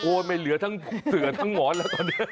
ไม่เหลือทั้งเสือทั้งหมอนแล้วตอนนี้